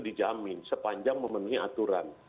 dijamin sepanjang memenuhi aturan